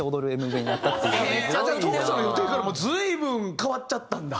じゃあ当初の予定から随分変わっちゃったんだ。